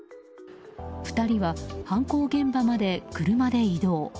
２人は犯行現場まで車で移動。